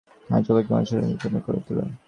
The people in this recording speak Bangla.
কিন্তু চাবুকের ভয় মানুষকে আরও নীতিহীন করিয়া তোলে।